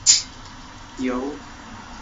齐燮元任该委员会委员兼治安总署督办。